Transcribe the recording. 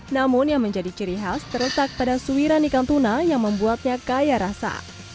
namun yang menjadi ciri khas terletak pada suiran ikan tuna yang membuatnya kaya rasa